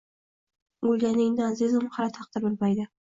O‘lganingni, azizim, hali taqdir bilmaydi.